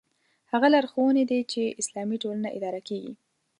هغه لارښوونې دي چې اسلامي ټولنه اداره کېږي.